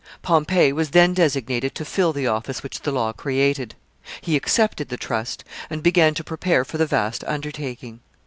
Pompey was then designated to fill the office which the law created. He accepted the trust, and began to prepare for the vast undertaking.